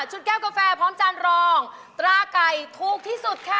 แก้วกาแฟพร้อมจานรองตราไก่ถูกที่สุดค่ะ